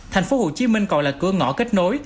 thành phố hồ chí minh còn là cửa ngõ kết nối